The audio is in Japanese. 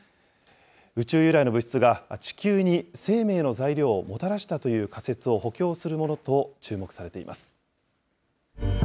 宇宙由来の物質が地球に生命の材料をもたらしたという仮説を補強するものと注目されています。